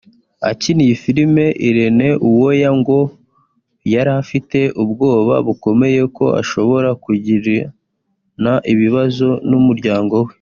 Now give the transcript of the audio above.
Akina iyi filime Irene Uwoya ngo yari afite ubwoba bukomeye ko ashobora kugirana ibibazo n’umuryango we